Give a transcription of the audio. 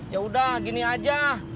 yaudah gini aja